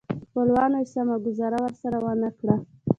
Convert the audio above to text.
خپلوانو یې سمه ګوزاره ورسره ونه کړه.